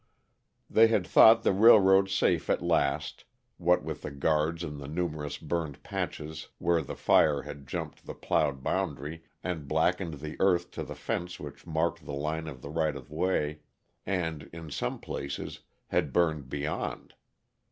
They had thought the railroad safe at last, what with the guards and the numerous burned patches where the fire had jumped the plowed boundary and blackened the earth to the fence which marked the line of the right of way, and, in some places, had burned beyond.